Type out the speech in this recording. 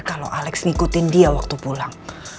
kalau alex ngikutin dia waktu pulang